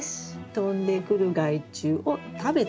飛んでくる害虫を食べてくれるので。